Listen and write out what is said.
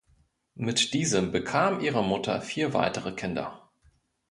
Mit diesem bekam ihre Mutter vier weitere Kinder.